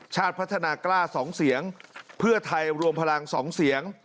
ชาติพัฒนากล้า๒เสียงเพื่อไทยรวมพลัง๒เสียง